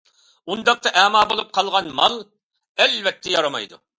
ئۇنداقتا ئەما بولۇپ قالغان مال ئەلۋەتتە يارىمايدۇ.